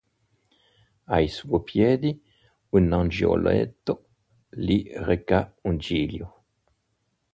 Ai suoi piedi, un angioletto gli reca un giglio.